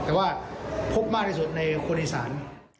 แต่ว่าพบมากที่สุดในคนอีสาน